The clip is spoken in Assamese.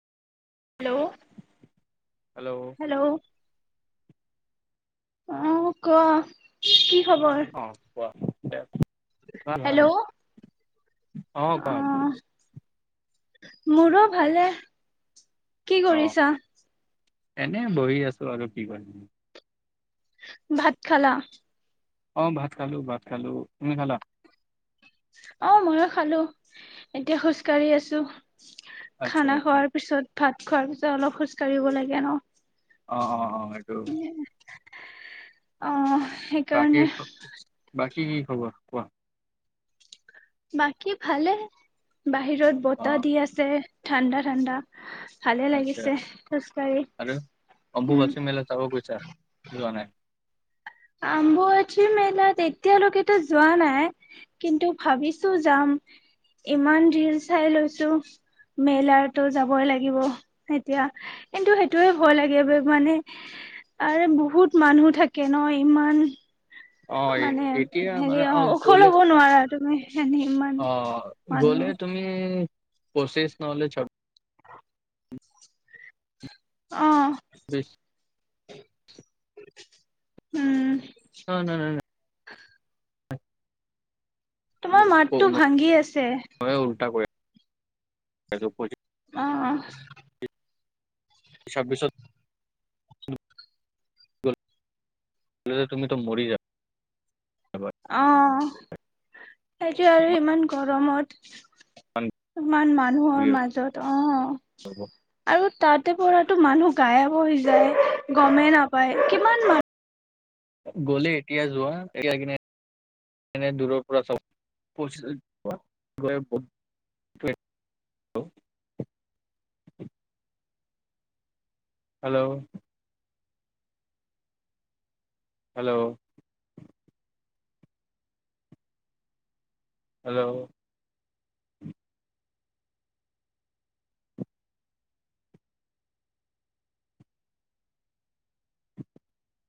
হেল্ল' হেল্ল' হেল্ল' অ ক কি খবৰ? অ কোৱা দে হেল্ল' অ অহ কোৱা মোৰো ভালে কি অ কৰিছা এনে বহি আছো আৰ কি কৰিম ভাত খালা অহ ভাত খালো ভাত খালো তুমি খালা অ ময়ো খালো এতিয়া খোজকাঢ়ি আছো আচ্ছা খানা আচ্ছা খোৱাৰ পিছত ভাত খোৱাৰ পিছত অলপ খোজ কঢ়িব লাগে ন অ অ অ এইটো অ বাকী সেইকাৰণে ক বাক কি হব কোৱা বাকী ভালে বাহিৰত অ বতাহ দি আছে ঠাণ্ডা ঠাণ্ডা ভালে আচ্ছা লাগিছে খোজকাঢ়ি আৰু উম। অম্বুবাচী মেলা যাব গৈছা যোৱা নাই আম্বুবাচী মেলাত এতিয়ালৈকেতো যোৱা নাই কিন্তু ভাবিছো যাম ইমান ধিৰ চাই লৈছো মেলাতো যাবই লাগিব এতিয়া কিন্তু সেইটোৱে ভয় লাগে মানে আৰু বহুত মানুহ থাকে নহ ইমান অ মানে এতিয়া মানে হেৰি অ ওখ গ'লে ল'ব নোৱাৰা তুমি এনে ইমান অ মানুহ কচিছ নলেজৰ অ বেছ উম ন [unintelligible] তোমাৰ মাতটো ভাঙি আছে। ত প [unintelligible] অ ছাব্বিছত যে তুমি তো মৰি যা অ সেইটো আৰু ইমান গম গৰমত ইমান মানুহৰ ভিৰ মাজত অ হ'ব আৰু তাতে পৰাতো মানুহ গায়াব হৈ যায় গমেই নাপায় কিমান মানুহ গলে এতিয়া যোৱা এতিয়া কিনে দূৰৰ পৰা [unintelligible] হেল্ল' হেল্ল' হেল্ল',